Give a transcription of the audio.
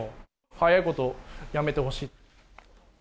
早いことやめてほしい。